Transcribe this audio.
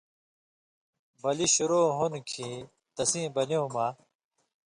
بلی شُروع ہُوندیۡ کھیں تَسیں بلیُوں مہ